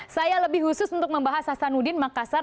saya lebih khusus untuk membahas hasanuddin makassar